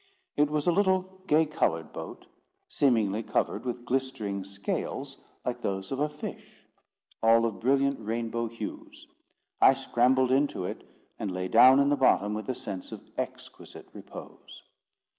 It was a little gay coloured boat, seemingly covered with glistering scales like those of a fish, all of brilliant rainbow hues. I scrambled into it, and lay down in the bottom, with a sense of exquisite repose.